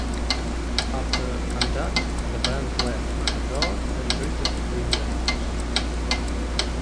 After "Conduct", the band left Matador and drifted between labels.